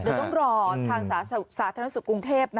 เดี๋ยวต้องรอทางสาธารณสุขกรุงเทพ